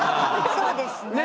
そうですねえ。